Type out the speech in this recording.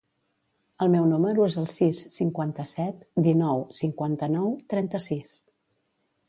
El meu número es el sis, cinquanta-set, dinou, cinquanta-nou, trenta-sis.